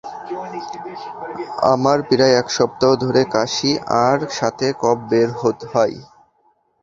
আমার প্রায় এক সপ্তাহ ধরে কাশি আর সাথে কফ বের হয়।